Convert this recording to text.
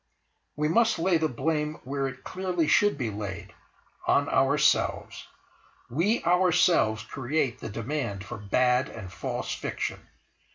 We must lay the blame where it clearly should be laid, on ourselves. We ourselves create the demand for bad and false fiction.